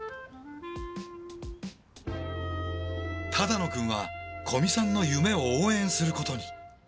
只野くんは古見さんの夢を応援することに。